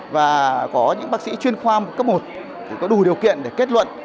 và có những bác sĩ chuyên khoa cấp một có đủ điều kiện để kết luận